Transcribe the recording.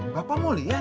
bapak mau lihat